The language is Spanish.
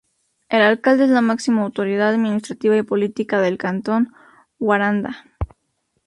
El Alcalde es la máxima autoridad administrativa y política del Cantón Guaranda.